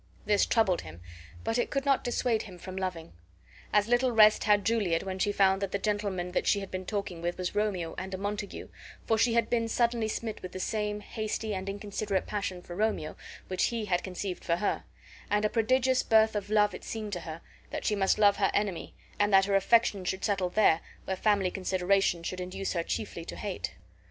This troubled him, but it could not dissuade him from loving. As little rest had Juliet when she found that the gentle man that she had been talking with was Romeo and a Montague, for she had been suddenly smit with the same hasty and inconsiderate passion for Romeo which he had conceived for her; and a prodigious birth of love it seemed to her, that she must love her enemy and that her affections should settle there, where family considerations should induce her chiefly to hate.